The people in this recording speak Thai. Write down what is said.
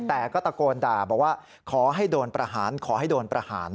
แต่ก็ตะโกนด่าบอกว่าขอให้โดนประหารขอให้โดนประหาร